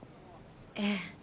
ええ。